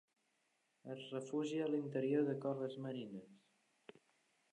Es refugia a l'interior de coves marines.